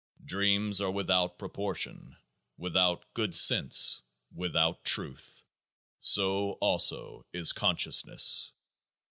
Dreams are without proportion, without good sense, without truth ; so also is conscious ness.